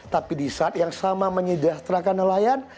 tapi di saat yang sama menyediakan nelayan